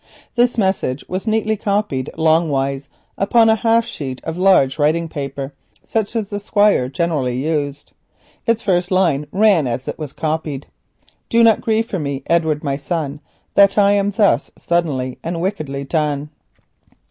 This message was neatly copied long ways upon a half sheet of large writing paper, such as the Squire generally used. It's first line ran as it was copied: "_Do not grieve for me, Edward, my son, that I am thus suddenly and wickedly done.